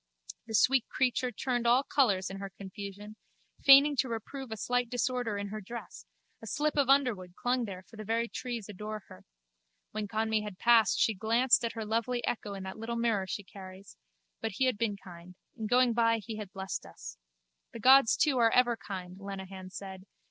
The sweet creature turned all colours in her confusion, feigning to reprove a slight disorder in her dress: a slip of underwood clung there for the very trees adore her. When Conmee had passed she glanced at her lovely echo in that little mirror she carries. But he had been kind. In going by he had blessed us. The gods too are ever kind, Lenehan said.